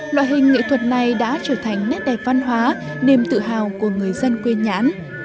loại hình nghệ thuật này đã trở thành nét đẹp văn hóa niềm tự hào của người dân quên nhãn